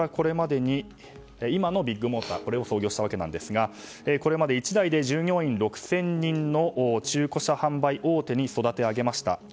今のビッグモーターを創業したわけですがこれまで一代で従業員６０００人の中古車販売大手に育て上げました。